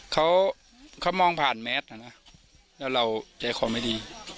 เขามองผ่านแมทแล้วเราแจกของไม่ดี